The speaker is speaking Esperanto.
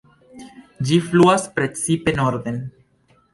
Ĝi fluas precipe norden.